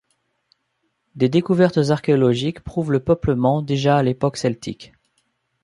Des découvertes archéologiques prouvent le peuplement déjà à l'époque celtique.